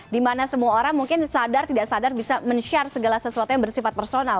dimana semua orang mungkin sadar tidak sadar bisa men share segala sesuatu yang bersifat personal